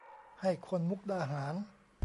ให้คนมุกดาหาร